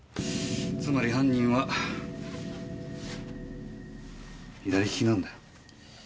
つまり犯人は左利きなんだよ。